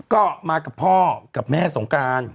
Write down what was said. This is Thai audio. ก็มากับพ่อกับแม่สงการ